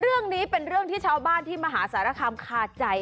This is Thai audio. เรื่องนี้เป็นเรื่องที่ชาวบ้านที่มหาสารคามคาใจ